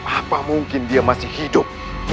apa mungkin dia masih hidup